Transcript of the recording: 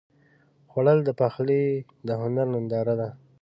خوړل د پخلي د هنر ننداره ده